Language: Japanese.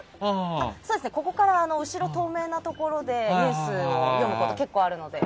ここから後ろ、透明なところでニュースを読むことが結構あるので。